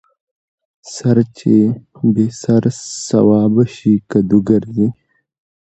ـ سر چې بې سر سوابه شي کدو ګرځي.